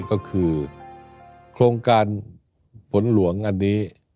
ก็คือโครงการฝนหลวงอันนี้